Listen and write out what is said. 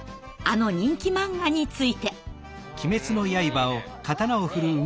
あの人気漫画について。